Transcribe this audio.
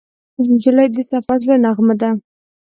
نجلۍ د صفا زړه نغمه ده.